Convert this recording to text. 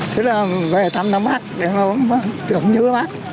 thế là về tăm bác để không tưởng nhớ bác